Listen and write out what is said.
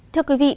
thưa quý vị